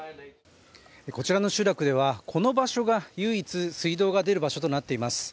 こちらの集落ではこの場所が唯一、水道が出る場所となっています。